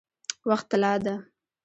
وخت طلا ده؟